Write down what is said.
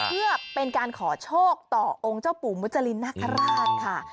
เพื่อเป็นการขอโชคต่อองค์เจ้าปู่มุจรินนาคาราชค่ะ